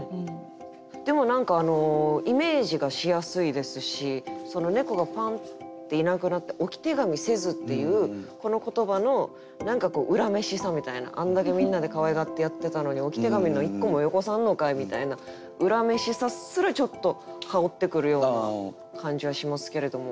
でも何かイメージがしやすいですしその猫がファンッていなくなって「置手紙せず」っていうこの言葉の何か恨めしさみたいなあんだけみんなでかわいがってやってたのに「置手紙の１個もよこさんのかい」みたいな恨めしさすらちょっと薫ってくるような感じはしますけれども。